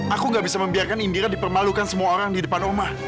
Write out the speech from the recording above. aku gak bisa membiarkan indira dipermalukan semua orang di depan rumah